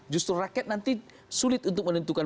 justru rakyat nanti sulit untuk menentukan